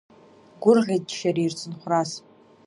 Гәырӷьеи ччареи рцынхәрас…